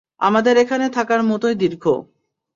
আমাদের এখানে থাকার মতই দীর্ঘ?